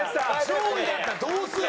上位だったらどうするの？